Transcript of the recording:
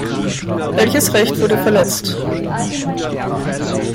Welches Recht wurde verletzt?